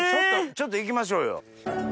ちょっといきましょうよ。